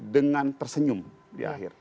dengan tersenyum di akhir